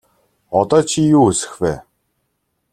Одоо чи юу хүсэх вэ?